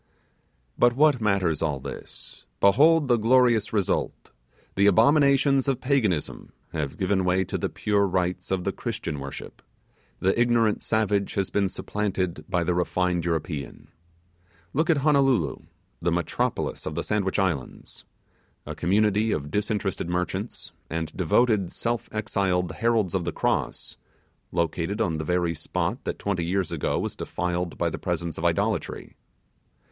But what matters all this? Behold the glorious result! The abominations of Paganism have given way to the pure rites of the Christian worship, the ignorant savage has been supplanted by the refined European! Look at Honolulu, the metropolis of the Sandwich Islands! A community of disinterested merchants, and devoted self exiled heralds of the Cross, located on the very spot that twenty years ago was defiled by the presence of idolatry.